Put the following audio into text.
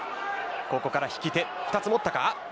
ここから引き手、２つ持ったか。